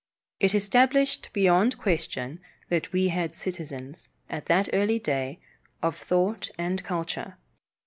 It established beyond question that we had citizens, at that early day, of thought and culture.